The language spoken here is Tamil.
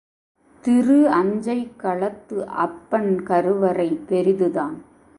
திரு அஞ்சைக்களத்து அப்பன் கருவறை பெரிதுதான்.